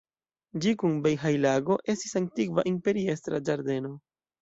Ĝi kun Bejhaj-lago estis antikva imperiestra ĝardeno.